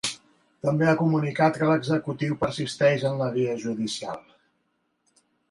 També ha comunicat que l'executiu persisteix en la via judicial.